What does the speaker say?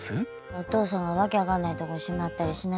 お父さんが訳分かんないとこにしまったりしないようにね。